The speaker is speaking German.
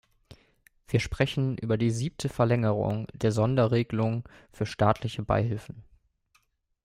Wir sprechen über die siebte Verlängerung der Sonderregelung für staatliche Beihilfen.